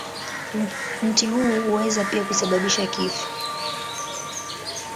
Mti huu huweza pia kusababisha kifo.